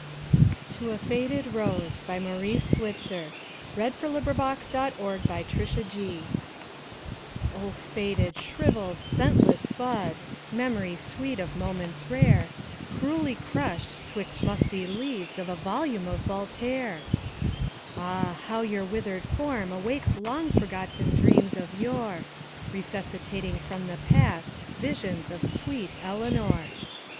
eat and trim as you, From the coast of Maine to Kismayu" 38 To a Faded Rose o FADED, shrivelled, scentless bud, Mem'ry sweet of moments rare, Cruelly crushed 'twixt musty leaves Of a volume of Voltaire ! Ah, how your withered form awakes Long forgotten dreams of yore Resuscitating from the past Visions of sweet Eleanor!